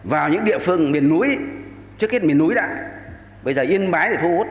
vào những địa phương miền núi trước hết miền núi đã bây giờ yên mái để thu hút